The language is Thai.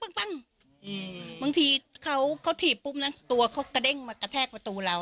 ๒คนนี้จะย้ายออกแล้ว